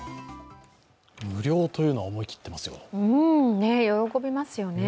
無料というのは思い切ってますね。